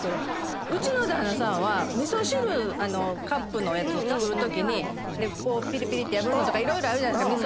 うちの旦那さんは味噌汁カップのやつを作るときにぴりぴりって破るのとか色々あるじゃないですか。